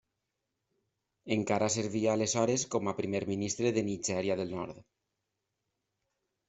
Encara servia aleshores com a primer ministre de Nigèria del Nord.